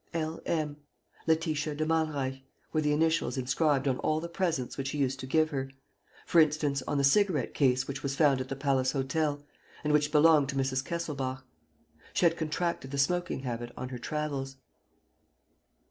L. M. Letitia de Malreich were the initials inscribed on all the presents which he used to give her, for instance, on the cigarette case which was found at the Palace Hotel and which belonged to Mrs. Kesselbach. She had contracted the smoking habit on her travels.